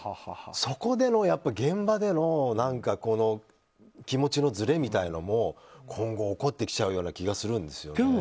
そこの現場での気持ちのずれみたいなのも今後、起こってきちゃうような気がするんですよね。